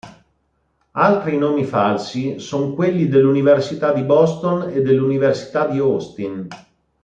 Altri nomi falsi sono quelli dell'Università di Boston e dell'Università di Austin.